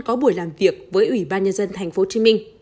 có buổi làm việc với ủy ban nhân dân tp hcm